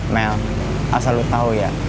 mel asal lu tahu ya